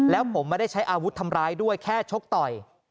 แล้วผมไม่ได้ใช้อาวุธทำร้ายด้วยแค่ชกต่อย